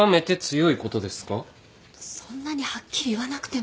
そんなにはっきり言わなくても。